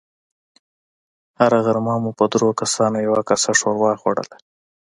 هره غرمه مو په دريو کسانو يوه کاسه ښوروا خوړله.